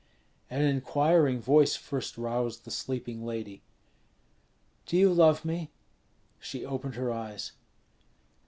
An inquiring voice first roused the sleeping lady: "Do you love me?" She opened her eyes.